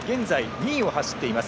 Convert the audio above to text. ２位を走っています。